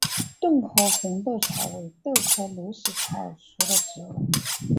顿河红豆草为豆科驴食草属的植物。